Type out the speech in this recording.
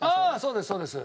そうですそうです。